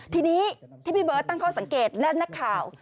ทีนี้ที่พี่เบิร์ตตั้งข้อสังเกตและนักข่าว